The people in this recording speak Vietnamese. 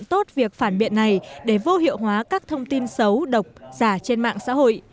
thủ tướng cũng đánh giá tốt việc phản biện này để vô hiệu hóa các thông tin xấu độc giả trên mạng xã hội